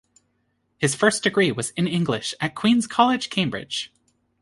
His first degree was in English, at Queens' College, Cambridge.